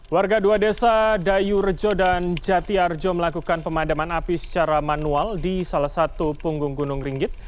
warga dua desa dayu rejo dan jati arjo melakukan pemadaman api secara manual di salah satu punggung gunung ringgit